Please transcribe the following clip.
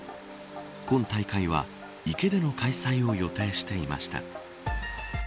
今大会は池での開催を予定していました。